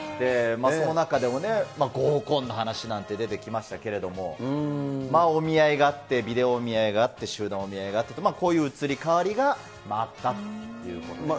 その中でも合コンの話なんて出てきましたけれども、お見合いがあって、ビデオお見合いがあって、集団お見合いがあってと、こういう移り変わりがあったということです。